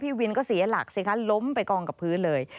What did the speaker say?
พี่วินก็เสียหลักล้มไปกองกับพื้นเลย